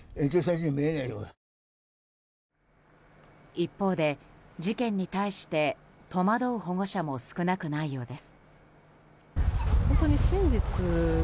一方で、事件に対して戸惑う保護者も少なくないようです。